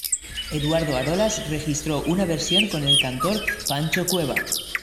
Eduardo Arolas registró una versión con el cantor Pancho Cueva.